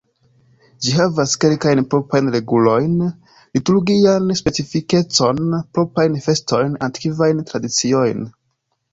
Ĝi havas kelkajn proprajn regulojn, liturgian specifikecon, proprajn festojn, antikvajn tradiciojn.